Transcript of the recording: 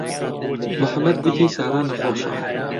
موحەممەد گوتی سارا نەخۆشە.